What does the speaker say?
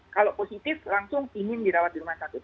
kalau positif langsung ingin dirawat di rumah sakit